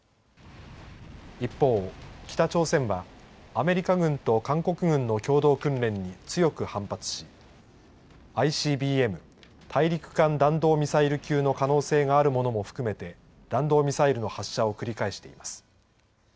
一方、北朝鮮はアメリカ軍と韓国軍の共同訓練に強く反発しＩＣＢＭ＝大陸間弾道ミサイル級の可能性があるものも含めて弾道ミサイルの発射を繰り返しています。